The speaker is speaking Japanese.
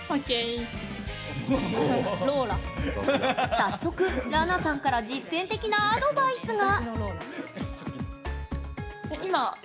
早速、らなさんから実践的なアドバイスが。